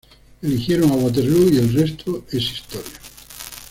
Eligieron a Waterloo y el resto es historia.